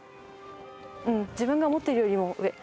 うん、自分が思っているよりも上。